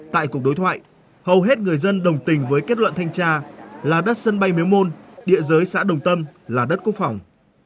tại cuộc đối thoại hầu hết người dân đồng tình với kết luận thanh tra là đất sân bay miếu môn địa giới xã đồng tâm là đất quốc phòng